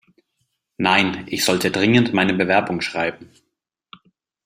Nein, ich sollte dringend meine Bewerbung schreiben.